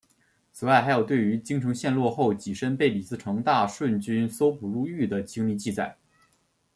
此外还有对于京城陷落后己身被李自成大顺军搜捕入狱的经历记载。